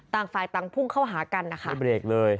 ต่างฝ่ายต่างพุ่งเข้าหากันนะคะมีเบรกเลย